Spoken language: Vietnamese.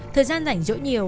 thời gian rảnh rỗi nhiều